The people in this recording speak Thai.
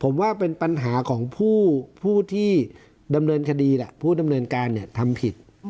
ผมว่าเป็นปัญหาของผู้ที่ดำเนินคดีแหละผู้ดำเนินการทำผิด